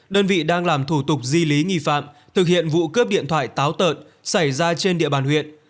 đơn vị đang làm thủ tục di lý nghi phạm thực hiện vụ cướp điện thoại táo tợn xảy ra trên địa bàn huyện